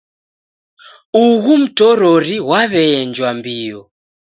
Ughu mtorori ghwaw'eenjwa mbio.